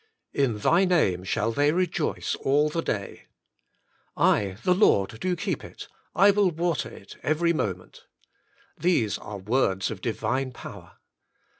" In Thy name shall they rejoice all the day/' " I the Lord do keep it ; I will water it every moment ''— ^these are words of Divine power.